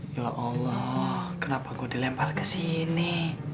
ya allah kenapa kau dilempar ke sini